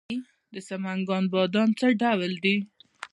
د سمنګان بادام څه ډول دي؟